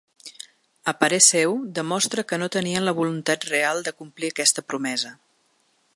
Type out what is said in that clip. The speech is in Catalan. A parer seu, demostra que no tenien la voluntat real de complir aquesta promesa.